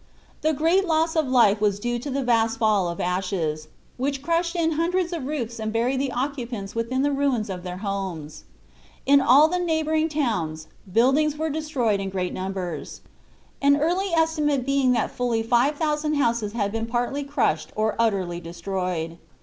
The great loss of life was due to the vast fall of ashes, which crushed in hundreds of roofs and buried the occupants within the ruins of their homes. In all the neighboring towns buildings were destroyed in great numbers, an early estimate being that fully 5,000 houses had been partly crushed or utterly destroyed.